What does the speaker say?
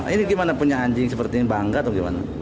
ini gimana punya anjing seperti ini bangga atau gimana